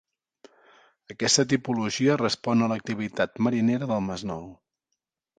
Aquesta tipologia respon a l'activitat marinera del Masnou.